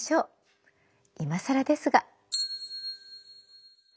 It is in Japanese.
いまさらですが。